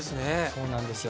そうなんですよ。